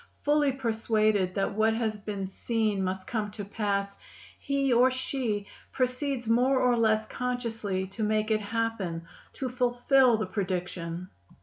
Fully persuaded that what has been seen must come to pass, he, or she, proceeds more or less consciously to make it happen, to fulfil the prediction.